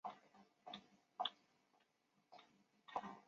伊赫拉瓦是捷克历史最为古老的矿业城市。